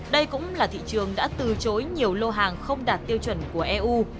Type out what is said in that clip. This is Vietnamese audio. đây cũng là thị trường đã từ chối nhiều lô hàng không đạt tiêu chuẩn của eu